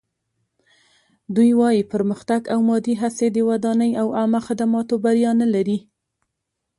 دوی وايي پرمختګ او مادي هڅې د ودانۍ او عامه خدماتو بریا نه لري.